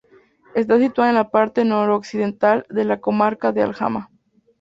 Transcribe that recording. Está situada en la parte noroccidental de la comarca de Alhama.